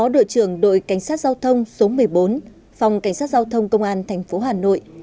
đội trưởng đội cảnh sát giao thông số một mươi bốn phòng cảnh sát giao thông công an tp hà nội